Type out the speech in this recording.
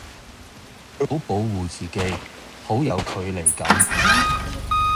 佢好保護自己，好有距離感